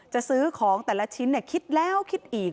จะซื้อของแต่ละชิ้นคิดแล้วคิดอีก